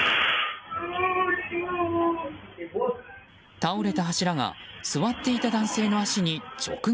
倒れた柱が座っていた男性の足に直撃。